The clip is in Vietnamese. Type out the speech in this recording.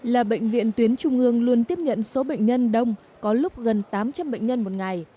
là bệnh viện tuyến trung ương luôn tiếp nhận số bệnh nhân đông có lúc gần tám trăm linh bệnh nhân một ngày